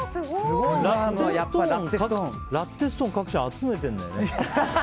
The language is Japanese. ラッテストーン、角ちゃん集めてるんだよね？